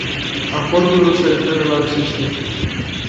Acordul nu se referă la aceștia.